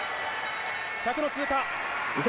１００の通過。